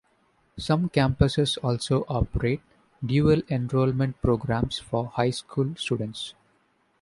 Some campuses also operate dual-enrollment programs for high school students.